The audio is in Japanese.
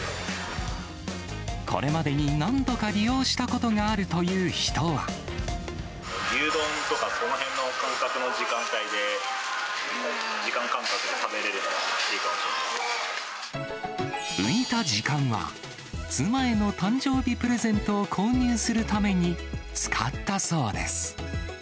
これまでに何度か利用したこ牛丼とか、そのへんの感覚の時間帯で、時間感覚で食べれるのはいいかも浮いた時間は、妻への誕生日プレゼントを購入するために使ったそうです。